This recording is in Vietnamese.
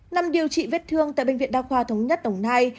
nằm điều trị vết thương tại bệnh viện đa khoa thống nhất đồng nai